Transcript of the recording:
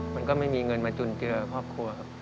มันก็ไม่มีเงินมาจุนเจือครอบครัวครับ